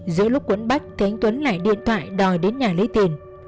giữa lúc cuốn bách thấy anh tuấn lại điện thoại đòi đến nhà lấy tiền